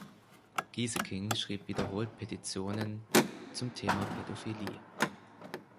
Gieseking schrieb wiederholt Petitionen zum Thema Pädophilie.